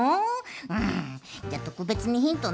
うんじゃあとくべつにヒントね。